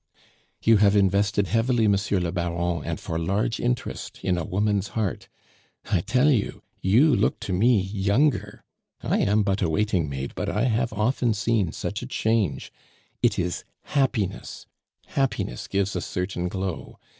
"You have invested heavily, Monsieur le Baron, and for large interest, in a woman's heart. I tell you you look to me younger. I am but a waiting maid, but I have often seen such a change. It is happiness happiness gives a certain glow....